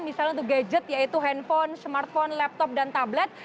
misalnya untuk gadget yaitu handphone smartphone laptop dan tablet